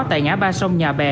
tại ngã ba sông nhà bè